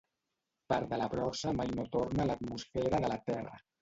Part de la brossa mai no torna a l'atmosfera de la Terra.